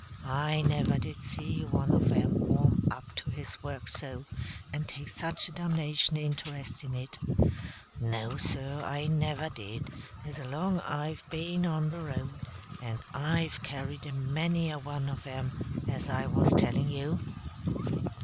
I never did see one of 'em warm up to his work so, and take such a dumnation interest in it. No, Sir, I never did, as long as I've ben on the road; and I've carried a many a one of 'em, as I was telling you."